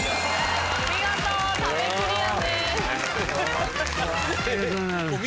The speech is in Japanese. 見事壁クリアです。